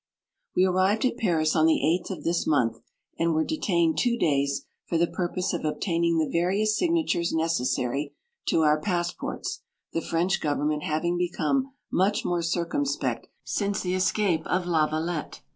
We arrived at Paris on the 8th of this month, and were detained two days for the purpose of obtaining the various signatures necessary to our passports, the French government having become much more circumspect since the es cape of Lavalette.